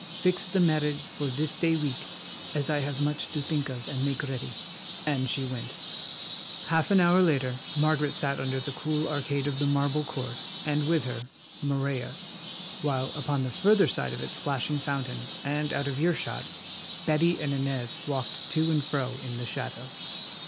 Fix the marriage for this day week, as I have much to think of and make ready," and she went. Half an hour later Margaret sat under the cool arcade of the marble court, and with her, Morella, while upon the further side of its splashing fountain and out of earshot, Betty and Inez walked to and fro in the shadow.